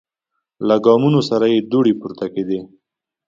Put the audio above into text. له ګامونو سره یې دوړې پورته کیدې.